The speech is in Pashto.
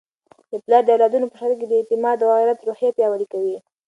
پلار د اولادونو په شخصیت کي د اعتماد او غیرت روحیه پیاوړې کوي.